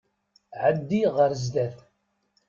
Ɛeddi ɣer zdat!